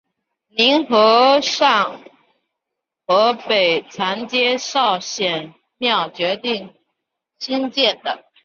凝和庙和北长街的昭显庙决定兴建的。